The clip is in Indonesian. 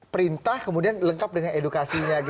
perintah kemudian lengkap dengan edukasinya